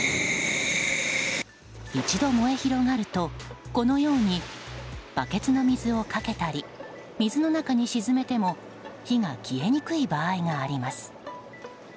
一度、燃え広がるとこのようにバケツの水をかけたり水の中に沈めても火が消えにくい場合があります。